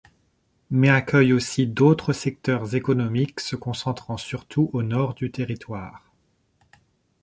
Mais accueille aussi d'autres secteurs économiques se concentrant surtout au nord du territoire.